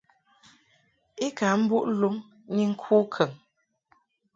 I ka mbuʼ luŋ ni ŋku kəŋ.